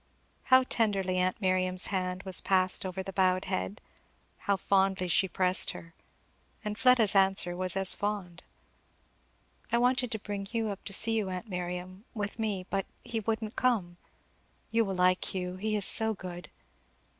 How tenderly aunt Miriam's hand was passed over the bowed head, how fondly she pressed her. And Fleda's answer was as fond. "I wanted to bring Hugh up to see you, aunt Miriam, with me, but he couldn't come. You will like Hugh. He is so good!"